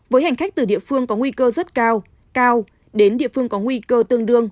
với hành khách từ địa phương có nguy cơ rất cao cao đến địa phương có nguy cơ tương đương